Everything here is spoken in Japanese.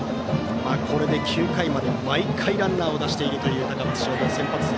これで９回まで毎回ランナーを出しているという高松商業。